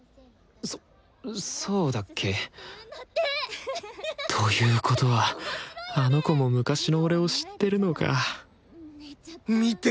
そそうだっけ？ということはあの子も昔の俺を知ってるのか見て！